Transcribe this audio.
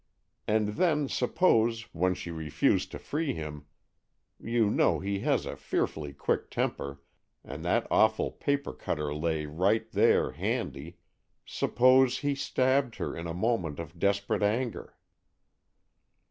And then suppose, when she refused to free him,—you know he has a fearfully quick temper, and that awful paper cutter lay right there, handy,—suppose he stabbed her in a moment of desperate anger."